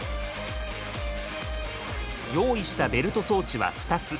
用意したベルト装置は２つ。